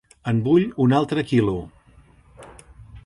En vull un altre quilo.